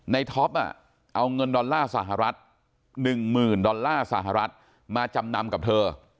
ท็อปเอาเงินดอลลาร์สหรัฐ๑๐๐๐ดอลลาร์สหรัฐมาจำนำกับเธอ